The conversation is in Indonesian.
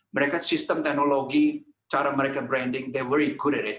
mereka sistem teknologi cara mereka membangun mereka bisa membangun